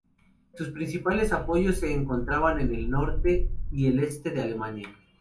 Sus principales apoyos se encontraban en el norte y el este de Alemania.